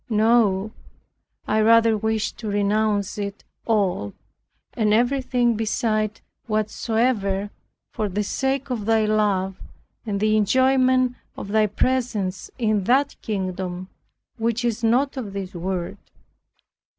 No; I rather wish to renounce it all, and everything beside whatsoever, for the sake of Thy love, and the enjoyment of Thy presence in that kingdom which is not of this world.